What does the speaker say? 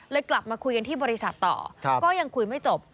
กลับมาคุยกันที่บริษัทต่อก็ยังคุยไม่จบ